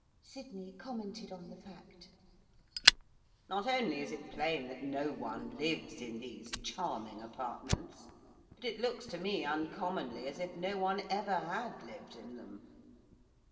Sydney commented on the fact. 'Not only is it plain that no one lives in these charming apartments, but it looks to me uncommonly as if no one ever had lived in them.